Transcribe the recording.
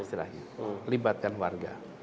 istilahnya libatkan warga